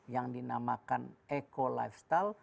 yang dinamakan eco lifestyle